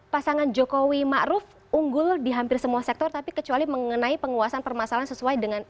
pasangan jokowi ma'ruf unggul di hampir semua sektor tapi kecuali mengenai penguasaan permasalahan sesuai dengan maaf